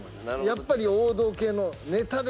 やっぱり王道系のネタで！